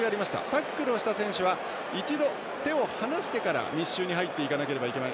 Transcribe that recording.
タックルをした選手は一度手を離してから、密集に入っていかなければいけない。